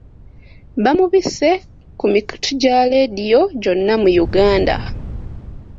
Baamubise ku mikutu gya laadiyo gyonna mu Uganda.